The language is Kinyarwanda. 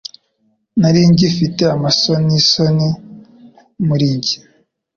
nari ngifite amasonisoni murinjye